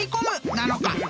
なのか？］